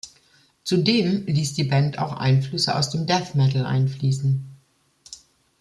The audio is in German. Zudem ließ die Band auch Einflüsse aus dem Death Metal einfließen.